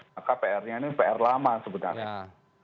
maka pr nya ini pr lama sebenarnya